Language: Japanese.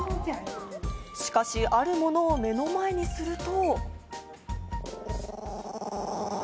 しかし、あるものを目の前にすると。